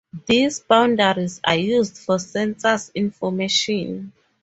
These boundaries are used for census information.